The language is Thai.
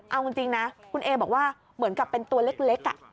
เอาจริงนะคุณเอบอกว่าเหมือนกับเป็นตัวเล็ก